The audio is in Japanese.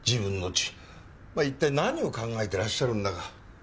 一体何を考えてらっしゃるんだか。